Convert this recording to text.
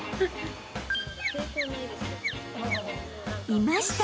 ［いました！］